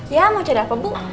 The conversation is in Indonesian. ya mau cari apa bu